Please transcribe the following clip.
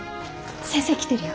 先生来てるよ。